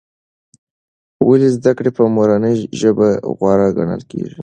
ولې زده کړه په مورنۍ ژبه غوره ګڼل کېږي؟